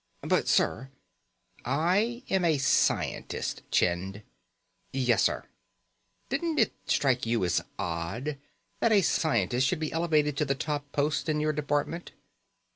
"But sir " "I am a scientist, Chind." "Yes, sir." "Didn't it strike you as odd that a scientist should be elevated to the top post in your department?"